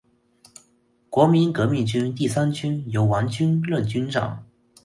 国民革命军第三军由王均任军长。